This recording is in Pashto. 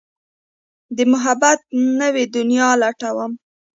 د محبت نوې دنيا لټوم